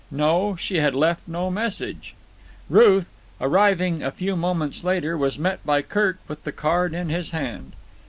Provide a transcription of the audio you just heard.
No, she had left no message. Ruth, arriving a few moments later, was met by Kirk with the card in his hand.